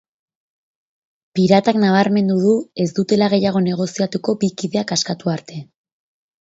Piratak nabarmendu du ez dutela gehiago negoziatuko bi kideak askatu arte.